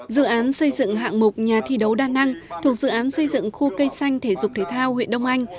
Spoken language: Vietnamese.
dự án xây dựng hạng mục nhà thi đấu đa năng thuộc dự án xây dựng khu cây xanh thể dục thể thao huyện đông anh